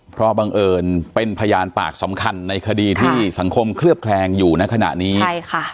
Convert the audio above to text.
เพราะบังเอิญเป็นพยานปากสำคัญในคดีที่สังคมเคลือบแคลงอยู่ในขณะนี้ใช่ค่ะ